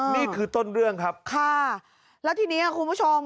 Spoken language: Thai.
นี่คือต้นเรื่องครับค่ะแล้วทีนี้คุณผู้ชม